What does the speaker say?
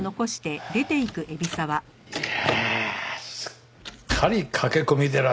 いやすっかり駆け込み寺だな。